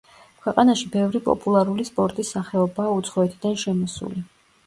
ქვეყანაში ბევრი პოპულარული სპორტის სახეობაა უცხოეთიდან შემოსული.